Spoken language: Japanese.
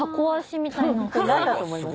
何だと思います？